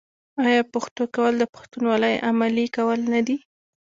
آیا پښتو کول د پښتونولۍ عملي کول نه دي؟